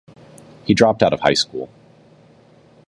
He dropped out of high school.